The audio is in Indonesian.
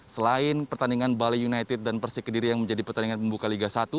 selain pertandingan bali united dan persik kediri yang menjadi pertandingan pembuka liga satu